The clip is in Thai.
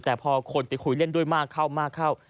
แต่พอคนไปคุยเล่นด้วยมากเข้ามากเข้า